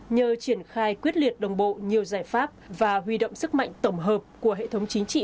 nhờ triển khai quyết liệt đồng bộ nhiều giải pháp và huy động sức mạnh tổng hợp của hệ thống chính trị